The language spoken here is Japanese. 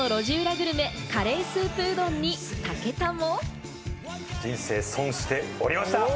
グルメ、カレースープうどんに武田も。